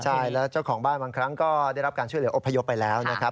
ใช่แล้วเจ้าของบ้านบางครั้งก็ได้รับการช่วยเหลืออพยพไปแล้วนะครับ